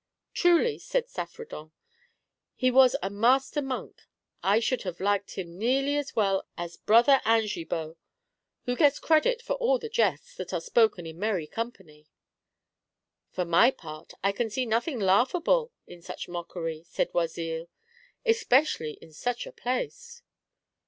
"Truly," said Saffredent, "he was a master monk I should have liked him nearly as well as Brother Anjibaut, who gets credit for all the jests that are spoken in merry company." " For my part, I can see nothing laughable in such mockery," said Oisille, " especially in such a place."